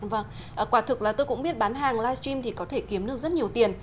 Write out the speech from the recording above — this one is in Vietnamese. vâng quả thực là tôi cũng biết bán hàng livestream thì có thể kiếm được rất nhiều tiền